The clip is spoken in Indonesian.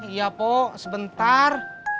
iya po sebentar